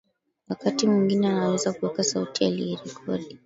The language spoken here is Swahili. wakati mwingine anaweza kuweka sauti aliyoirekodi